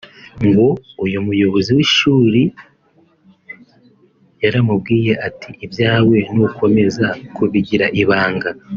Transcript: ngo uyu Muyobozi w’ishuri yaramubwiye ati “Ibyawe nukomeza kubigira ibanga